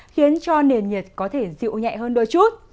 khiến cho nền nhiệt có thể dịu nhẹ hơn đôi chút